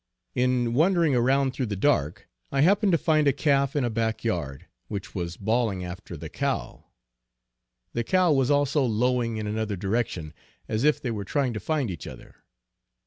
In wandering around through the dark, I happened to find a calf in a back yard, which was bawling after the cow; the cow was also lowing in another direction, as if they were trying to find each other.